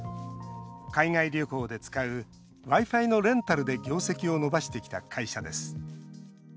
海外旅行で使うＷｉ‐Ｆｉのレンタルで業績を伸ばしてきた会社です。